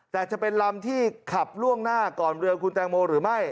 แต่จะเป็นลำที่ขับล่วงหน้าก่อนเรือคุณแตงโมหรือไม่